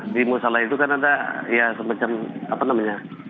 di musola itu kan ada ya semacam apa namanya